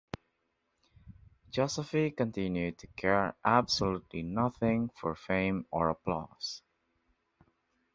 Joseffy continued to care absolutely nothing for fame or applause.